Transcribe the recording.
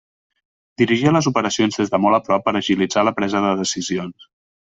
Dirigia les operacions des de molt a prop per agilitar la presa de decisions.